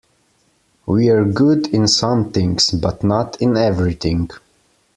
We're good in some things, but not in everything.